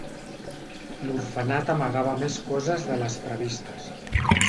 L'orfenat amagava més coses de les previstes.